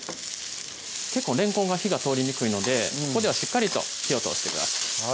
結構れんこんが火が通りにくいのでここではしっかりと火を通してください